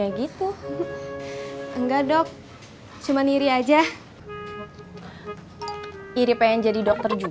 bang takut melewariest dong kamu